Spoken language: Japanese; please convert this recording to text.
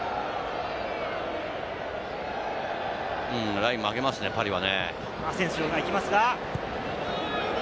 ライン上げましたね、パリは。